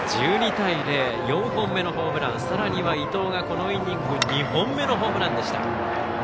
１２対０４本目のホームラン、伊藤がこのイニング２本目のホームランでした。